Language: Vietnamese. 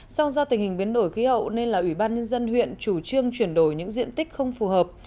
song do tình hình biến đổi khí hậu nên là ủy ban nhân dân huyện chủ trương chuyển đổi những diện tích không phù hợp